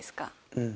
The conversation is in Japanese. うん。